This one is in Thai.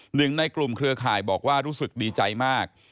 หนึ่งในกลุ่มเครือข่ายบอกว่ารู้สึกดีใจมาก